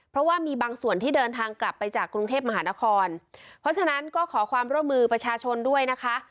เพราะว่ามีบางส่วนที่เดินทางกลับไปจากกรุงเทพมหานครเพราะฉะนั้นก็ขอความร่วมมือประชาชนด้วยนะคะ